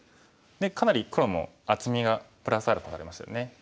でかなり黒も厚みがプラスアルファされましたよね。